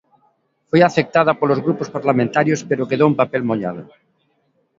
Foi aceptada polos grupos parlamentarios pero quedou en papel mollado.